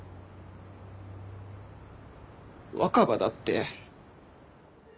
若葉だって。